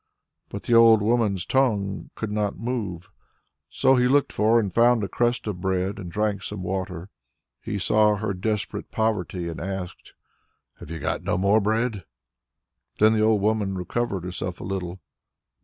But the old woman's tongue could not move. So he looked for and found a crust of bread and drank some water. He saw her desperate poverty and asked, "Have you got no more bread?" Then the old woman recovered herself a little.